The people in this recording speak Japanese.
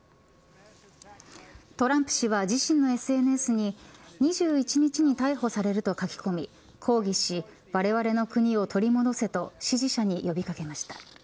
トランプ氏は自身のＳＮＳに２１日に逮捕されると書き込み抗議しわれわれの国を取り戻せと支持者に呼び掛けました。